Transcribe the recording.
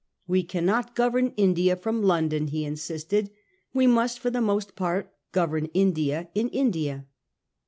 We cannot govern India from London, he insisted ; we must, for the most part, govern India in India.